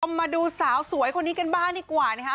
มาดูสาวสวยคนนี้กันบ้างดีกว่านะคะ